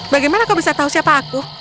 bagaimana kau bisa tahu siapa aku